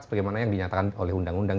sebagaimana yang dinyatakan oleh undang undang